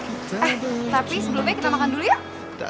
aduh tapi sebelumnya kita makan dulu ya